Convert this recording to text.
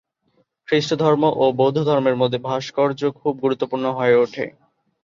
খ্রিষ্টধর্ম ও বৌদ্ধধর্মের মধ্যে ভাস্কর্য খুব গুরুত্বপূর্ণ হয়ে ওঠে।